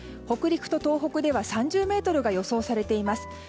北陸と東北では３０メートルが予想されています。